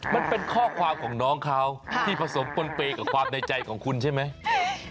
มันเป็นข้อความของน้องเขาที่ผสมปนเปย์กับความในใจของคุณใช่ไหม